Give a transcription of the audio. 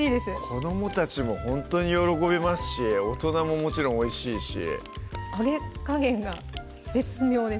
子どもたちもほんとに喜びますし大人ももちろんおいしいし揚げ加減が絶妙です